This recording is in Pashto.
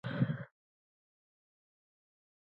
ازادي راډیو د اداري فساد په اړه د خلکو وړاندیزونه ترتیب کړي.